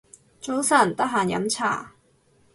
早晨，得閒飲茶